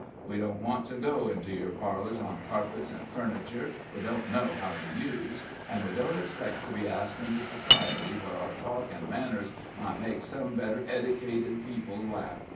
We don't want to go into yer parlors on carpets and furniture we don't know how to use, an' we don't expect to be asked into society where our talk an' manners might make some better eddicated people laugh.